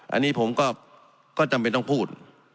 อันนี้ผมก็จำเป็นต้องพูด